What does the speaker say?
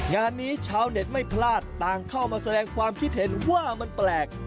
งานนี้ชาวเน็ตไม่พลาดต่างเข้ามาแสดงความคิดเห็นว่ามันแปลก